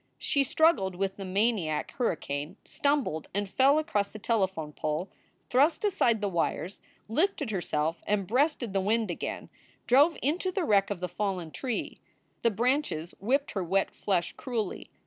She struggled with the maniac hurricane, stumbled and fell across the telephone pole, thrust aside the wires, lifted herself and breasted the wind again, drove into the wreck of the fallen tree. The branches whipped her wet flesh cruelly.